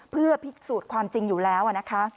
เพื่อพิสูจน์ความจริงอยู่แล้วนะคะ